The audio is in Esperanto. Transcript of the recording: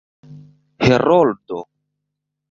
heroldo